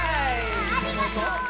ありがとう！